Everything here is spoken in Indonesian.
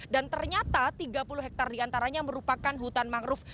dan ternyata tiga puluh hektar diantaranya merupakan hutan mangrove